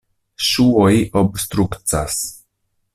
Ŝuoj obstrukcas.